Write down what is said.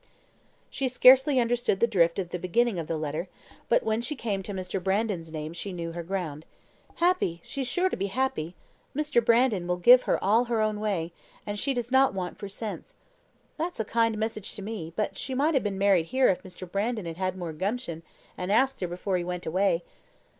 She scarcely understood the drift of the beginning of the letter, but when she came to Mr. Brandon's name she knew her ground. "Happy! she's sure to be happy! Mr. Brandon will give her all her own way, and she does not want for sense. That's a kind message to me; but she might have been married here if Mr. Brandon had had more gumption, and asked her before he went away.